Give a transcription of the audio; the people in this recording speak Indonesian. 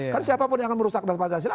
kan siapapun yang merusak dasar pancasila